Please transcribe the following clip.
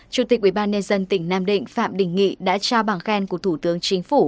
chủ tịch ubnd tỉnh nam định phạm đình nghị đã trao bằng khen của thủ tướng chính phủ